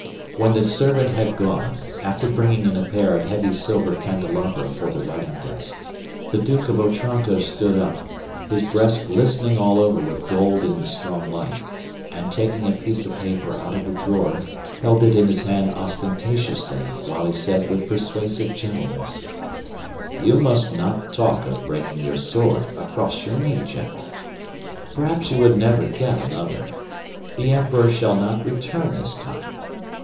When the servant had gone, after bringing in a pair of heavy silver candelabra for the writing desk, the Duke of Otranto stood up, his breast glistening all over with gold in the strong light, and taking a piece of paper out of a drawer held it in his hand ostentatiously while he said with persuasive gentleness: "You must not talk of breaking your sword across your knee, general. Perhaps you would never get another. The emperor shall not return this time....